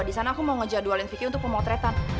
di sana aku mau ngejadwalin vicky untuk pemotretan